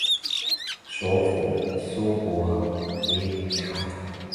首府苏博蒂察。